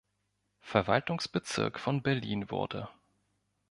Verwaltungsbezirk von Berlin wurde.